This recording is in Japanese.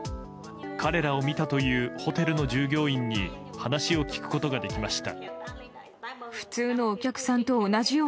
彼らを見たというホテルの従業員に話を聞くことができました。